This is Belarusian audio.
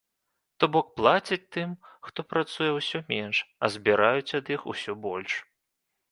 То бок, плацяць тым, хто працуе, усё менш, а забіраюць ад іх усё больш.